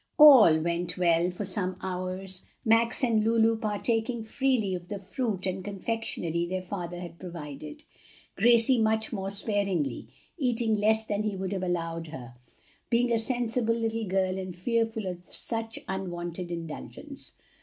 All went well for some hours, Max and Lulu partaking freely of the fruit and confectionery their father had provided, Gracie much more sparingly, eating less than he would have allowed her, being a sensible little girl and fearful of such unwonted indulgence.